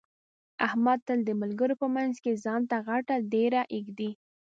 احمد تل د ملګرو په منځ کې ځان ته غټه ډېره ږدي.